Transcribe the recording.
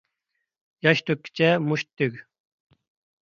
ياش تۆككىچە مۇشت تۈگ.